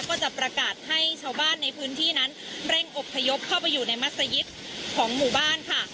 ก็จะประกาศให้ชาวบ้านในพื้นที่นั้นเร่งอบพยพเข้าไปอยู่ในมัศยิตของหมู่บ้านค่ะ